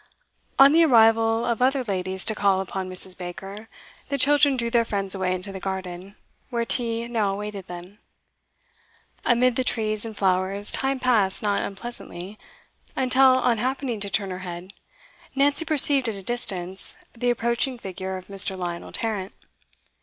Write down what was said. On the arrival of other ladies to call upon Mrs. Baker, the children drew their friends away into the garden, where tea now awaited them. Amid the trees and flowers time passed not unpleasantly, until, on happening to turn her head, Nancy perceived at a distance the approaching figure of Mr. Lionel Tarrant.